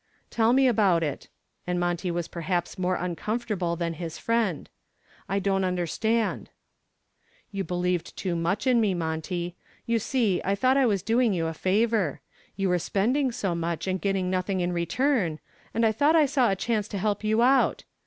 "Tell me about it," and Monty was perhaps more uncomfortable than his friend. "I don't understand." "You believed too much in me, Monty. You see, I thought I was doing you a favor. You were spending so much and getting nothing in return, and I thought I saw a chance to help you out.